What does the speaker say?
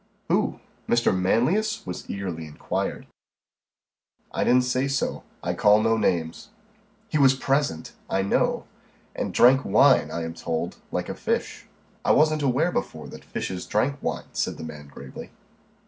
"Who? Mr. Manlius?" was eagerly inquired. "I didn't say so. I call no names." "He was present, I know; and drank wine, I am told, like a fish." "I wasn't aware before that fishes drank wine," said the man gravely.